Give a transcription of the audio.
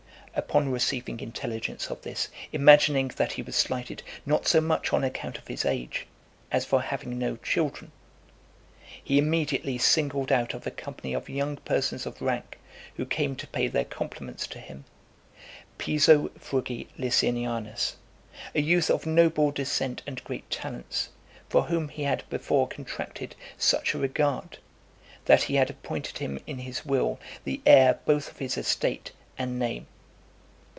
XVII. Upon receiving intelligence of this, imagining that he was slighted not so much on account of his age, as for having no children, he immediately singled out of a company of young persons of rank, who came to pay their compliments to him, Piso Frugi Licinianus, a youth of noble descent and great talents, for whom he had before contracted such a regard, that he had appointed him in his will the heir both of his estate and name.